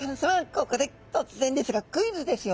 ここで突然ですがクイズですよ。